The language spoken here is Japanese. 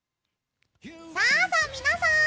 さあさあ、皆さん！